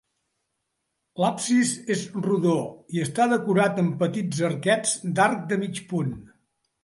L'absis és rodó i està decorat amb petits arquets d'arc de mig punt.